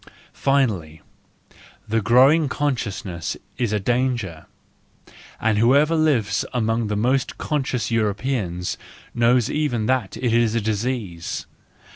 Finally, the growing consciousness is a danger, and whoever lives among the most conscious Europeans knows even that it is a disease.